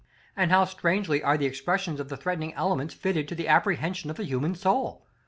and how strangely are the expressions of the threatening elements fitted to the apprehension of the human soul!